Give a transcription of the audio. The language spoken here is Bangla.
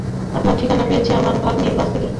আপনার ঠিকানা পেয়েছি আমার ভাগ্নির কাছ থেকে।